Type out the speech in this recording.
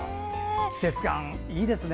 季節感、いいですね。